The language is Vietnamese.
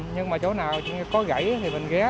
nhưng mà chỗ nào có gãy thì mình ghé